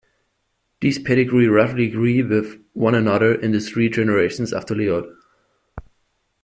These pedigree roughly agree with one another in the three generations after Leod.